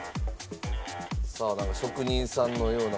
さあなんか職人さんのような方が。